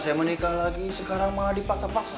saya menikah lagi sekarang malah dipaksa paksa